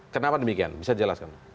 kenapa demikian bisa jelaskan